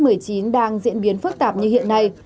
covid một mươi chín đang diễn biến phức tạp như hiện nay